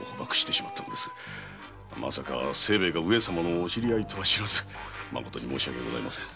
清兵衛が上様のお知り合いとは知らず誠に申し訳ございません。